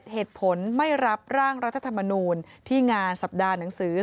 เหตุผลไม่รับร่างรัฐธรรมนูลที่งานสัปดาห์หนังสือ